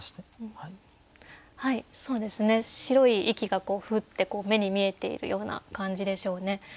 そうですね白い息がふって目に見えているような感じでしょうね。